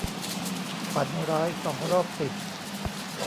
ฝันร้ายสองรอบติด